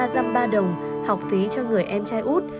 dăm ba đồng học phí cho người em trai út